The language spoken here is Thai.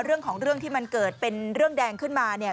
เรื่องของเรื่องที่มันเกิดเป็นเรื่องแดงขึ้นมาเนี่ย